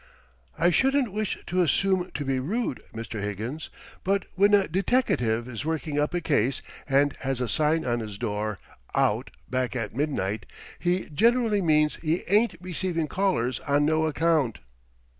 I shouldn't wish to assume to be rude, Mr. Higgins, but when a deteckative is working up a case, and has a sign on his door 'Out Back at Midnight,' he generally means he ain't receiving callers on no account."